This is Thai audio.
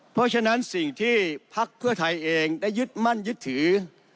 เพราะฉะนั้นสิ่งที่พักเพื่อไทยเองได้ยึดมั่นยึดถือ